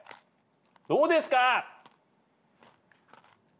どうですか？